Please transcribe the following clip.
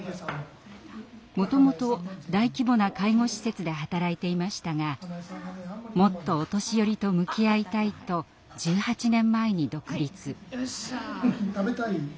もともと大規模な介護施設で働いていましたがもっとお年寄りと向き合いたいと１８年前に独立。